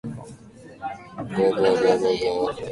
検察官